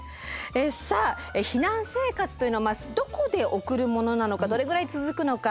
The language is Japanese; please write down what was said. さあ避難生活というのはどこで送るものなのかどれぐらい続くのか。